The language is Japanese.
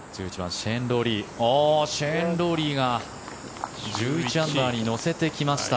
シェーン・ロウリーが１１アンダーに乗せてきました。